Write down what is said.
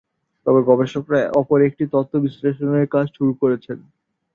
তবে গবেষকেরা অপর একটি তত্ত্ব বিশ্লেষণের কাজ শুরু করেছেন।